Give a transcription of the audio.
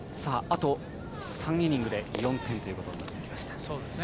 あと３イニングで４点ということになってきました。